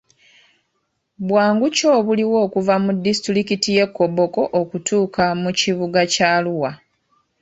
Bwangu ki obuliwo okuva mu disitulikiti y'e Koboko okutuuka mu kibuga kya Arua?